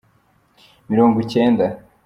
mirongo icyenda